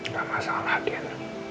gak masalah din